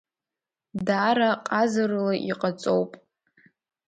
Даара ҟазарыла иҟаҵоуп…